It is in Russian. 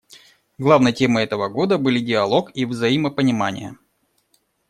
Главной темой этого Года были диалог и взаимопонимание.